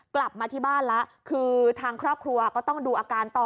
กลับมาที่บ้านแล้วคือทางครอบครัวก็ต้องดูอาการต่อ